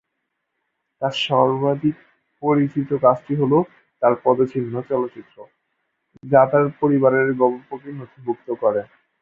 তার সর্বাধিক পরিচিত কাজটি হল "তার পদচিহ্ন" চলচ্চিত্র, যা তার পরিবারের গল্পকে নথিভুক্ত করে।